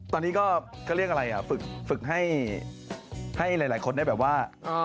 ตอนนี้ก็เขาเรียกอะไรอ่ะฝึกให้หลายคนได้แบบว่า